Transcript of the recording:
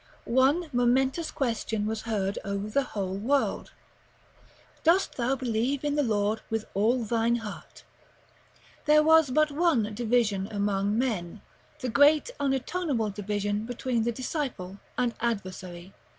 One momentous question was heard over the whole world, Dost thou believe in the Lord with all thine heart? There was but one division among men, the great unatoneable division between the disciple and adversary.